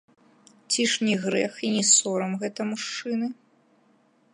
Ці ж не грэх і не сорам гэта, мужчыны?